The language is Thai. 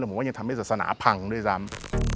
ผมว่ายังทำให้ศาสนาพังด้วยซ้ำ